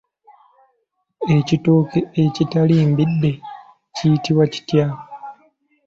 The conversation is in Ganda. Ekitooke ekitali mbidde kiyitibwa kitya?